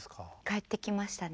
帰ってきましたね。